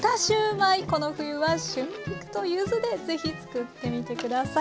この冬は春菊と柚子で是非作ってみて下さい。